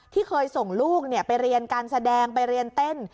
ที่เคยส่งลูกไปเรียนการแสดงไปเรียนเต้น